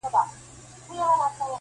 د زمري په کابینه کي خر وزیر وو-